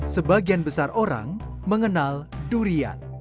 sebagian besar orang mengenal durian